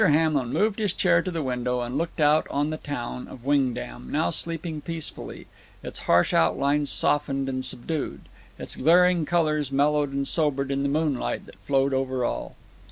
Hamlin moved his chair to the window, and looked out on the town of Wingdam, now sleeping peacefully its harsh outlines softened and subdued, its glaring colors mellowed and sobered in the moonlight that flowed over all.